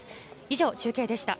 以上、中継でした。